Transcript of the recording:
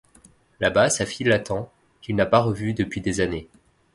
Là-bas sa fille l'attend, qu'il n'a pas revu depuis des années.